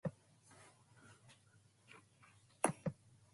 However, Halifax Town's financial woes meant that they were reprieved.